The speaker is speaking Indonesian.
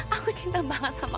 aku tuh cinta sama kamu mas